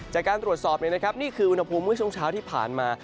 จากการตรวจสอบนี้นะครับนี่คืออุณหภูมิช่วงเช้าที่ผ่านมา